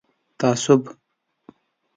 تعصب